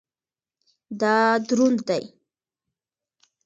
دا دروند دی